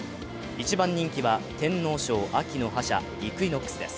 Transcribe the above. １番人気は天皇賞・秋の覇者イクイノックスです。